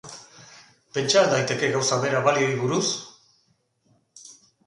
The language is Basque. Pentsa al daiteke gauza bera balioei buruz?